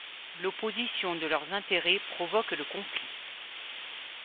L'opposition de leurs intérêts provoque le conflit.